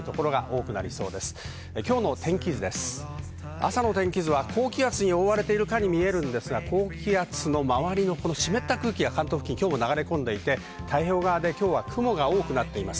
朝の高気圧に覆われているかに見えるんですが、高気圧の周りの湿った空気が関東付近に流れ込んでいて、太平洋側で雲が多くなっています。